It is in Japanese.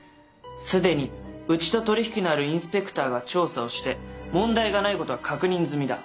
既にうちと取り引きのあるインスペクターが調査をして問題がないことは確認済みだ。